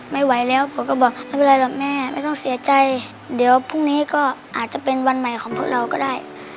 บอกเป็นไรแล้วแม่ไม่ต้องเสียใจเดี๋ยวพรุ่งนี้ก็อาจจะเป็นวันใหม่ของพวกเราก็ได้